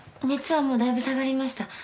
熱はもうだいぶ下がりました。